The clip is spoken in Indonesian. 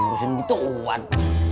urusin gitu uwan